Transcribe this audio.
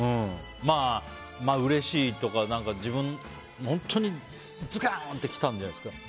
まあ、うれしいとか本当にズキュンってきたんじゃないですか。